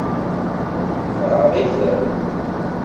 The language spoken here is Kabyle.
Nɣaḍ-iten?